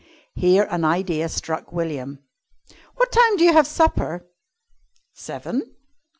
Here an idea struck William. "What time do you have supper?" "Seven."